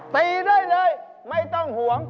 ตีได้เลยไม่ต้องห่วง